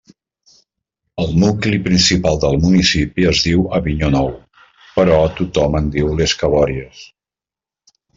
El nucli principal del municipi es diu Avinyó Nou, però tothom en diu Les Cabòries.